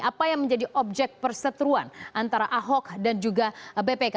apa yang menjadi objek perseteruan antara ahok dan juga bpk